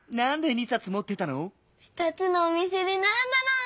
２つのおみせでならんだの！